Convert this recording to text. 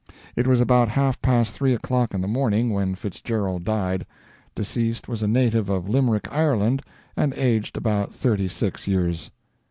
It was about half past three o'clock in the morning when Fitzgerald died. Deceased was a native of Limerick, Ireland, and aged about thirty six years.